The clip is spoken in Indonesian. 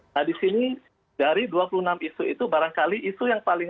nah di sini dari dua puluh enam isu itu barangkali isu yang paling